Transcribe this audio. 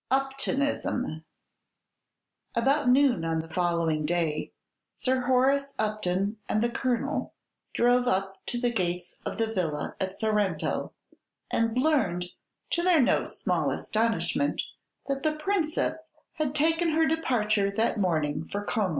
UPTONISM About noon on the following day, Sir Horace Upton and the Colonel drove up to the gate of the villa at Sorrento, and learned, to their no small astonishment, that the Princess had taken her departure that morning for Como.